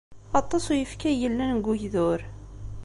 Aṭas n uyefki ay yellan deg ugdur.